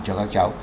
cho các cháu